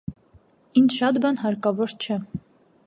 Ինձ շատ բան հարկավոր չէ: